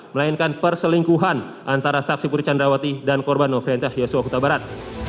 melainkan perselingkuhan antara saksi putri candrawati dan korban nofriyantah joshua kutabarat